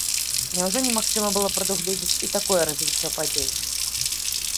Няўжо немагчыма было прадугледзіць і такое развіццё падзей?